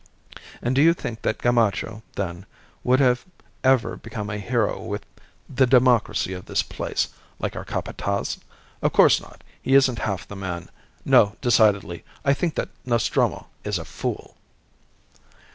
And do you think that Gamacho, then, would have ever become a hero with the democracy of this place, like our Capataz? Of course not. He isn't half the man. No; decidedly, I think that Nostromo is a fool."